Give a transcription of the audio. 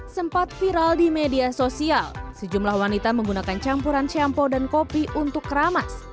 sempat viral di media sosial sejumlah wanita menggunakan campuran shampoo dan kopi untuk keramas